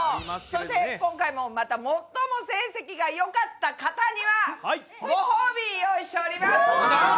そして今回もまた最も成績がよかった方にはごほうび用意しております。